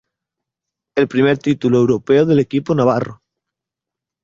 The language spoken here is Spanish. El primer título europeo del equipo navarro.